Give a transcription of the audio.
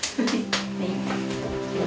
はい。